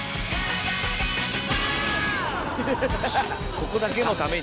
ここだけのために？